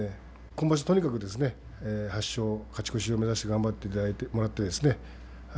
今場所、とにかくですね８勝勝ち越しを目指して頑張ってもらってですね